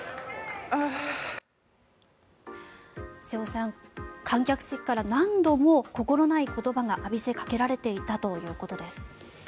瀬尾さん、観客席から何度も心ない言葉が浴びせかけられていたということです。